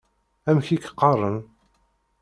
Amek i k-qqaṛen?